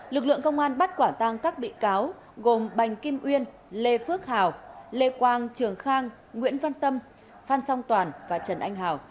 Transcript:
lực lượng công an bắt quả tang các bị cáo gồm bành kim uyên lê phước hào lê quang trường khang nguyễn văn tâm phan song toàn và trần anh hào